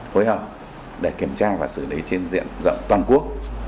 phối hợp để kiểm tra và xử lý trên diện rộng toàn quốc